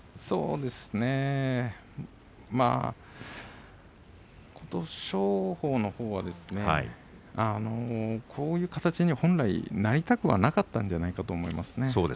そうですね琴勝峰のほうは本来こういう形になりたくなかったんじゃないかと思いますね。